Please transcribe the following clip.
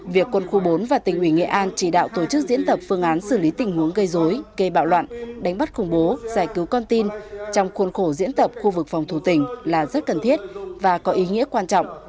việc quân khu bốn và tỉnh ủy nghệ an chỉ đạo tổ chức diễn tập phương án xử lý tình huống gây dối gây bạo loạn đánh bắt khủng bố giải cứu con tin trong khuôn khổ diễn tập khu vực phòng thủ tỉnh là rất cần thiết và có ý nghĩa quan trọng